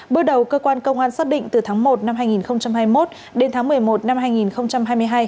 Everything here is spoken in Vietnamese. bước đầu cơ quan công an xác định từ tháng một năm hai nghìn hai mươi một đến tháng một mươi một năm hai nghìn hai mươi hai